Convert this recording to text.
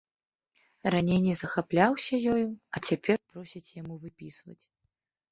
Раней не захапляўся ёю, а цяпер просіць яму выпісваць.